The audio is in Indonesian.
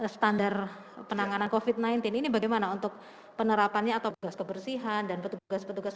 standar penanganan covid sembilan belas ini bagaimana untuk penerapannya atau petugas kebersihan dan petugas petugas